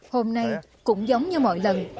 hôm nay cũng giống như mọi lần